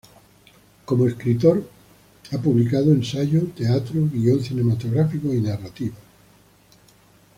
Como escritor ha publicado ensayo, teatro, guion cinematográfico y narrativa.